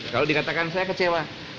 kalau dikatakan saya kecewa